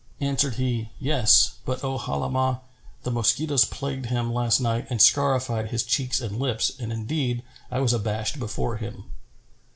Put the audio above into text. Answered he, "Yes, but, O Halimah,[FN#415]the mosquitoes plagued him last night and scarified his cheeks and lips, and indeed I was abashed before him."